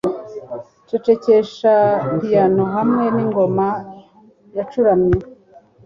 Cecekesha piyano hamwe ningoma yacuramye